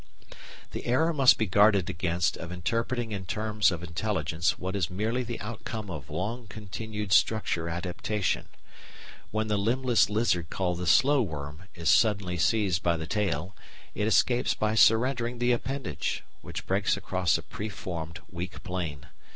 The error must be guarded against of interpreting in terms of intelligence what is merely the outcome of long continued structure adaptation. When the limbless lizard called the Slow worm is suddenly seized by the tail, it escapes by surrendering the appendage, which breaks across a preformed weak plane.